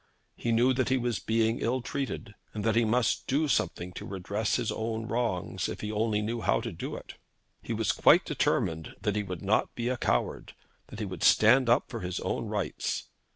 He knew that he was being ill treated, and that he must do something to redress his own wrongs, if he only knew how to do it. He was quite determined that he would not be a coward; that he would stand up for his own rights.